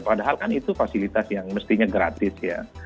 padahal kan itu fasilitas yang mestinya gratis ya